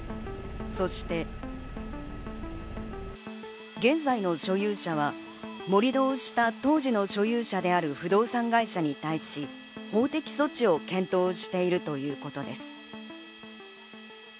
そして、現在の所有者は盛り土をした当時の所有者である不動産会社に対し、法的措置を検討しているということです。